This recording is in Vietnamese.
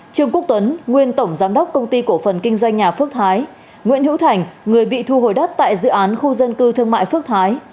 trương quốc tuấn nguyên tổng giám đốc công ty cổ phần kinh doanh nhà phước thái nguyễn hữu thành người bị thu hồi đất tại dự án khu dân cư thương mại phước thái